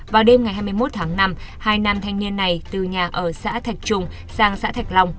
vào đêm ngày hai mươi một tháng năm hai nam thanh niên này từ nhà ở xã thạch trung sang xã thạch long